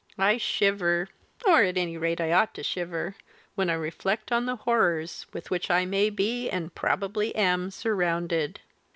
I shiver or, at any rate, I ought to shiver when I reflect on the horrors with which I may be, and probably am, surrounded!"